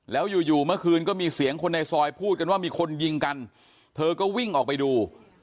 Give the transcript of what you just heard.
แล้วอยู่อยู่เมื่อคืนก็มีเสียงคนในซอยพูดกันว่ามีคนยิงกันเธอก็วิ่งออกไปดู